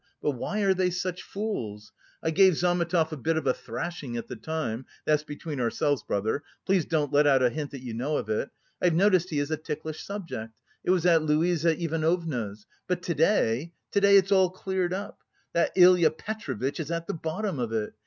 But why are they such fools? I gave Zametov a bit of a thrashing at the time that's between ourselves, brother; please don't let out a hint that you know of it; I've noticed he is a ticklish subject; it was at Luise Ivanovna's. But to day, to day it's all cleared up. That Ilya Petrovitch is at the bottom of it!